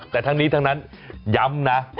แต่ทั้งนี้ทั้งนั้นย้ำนะ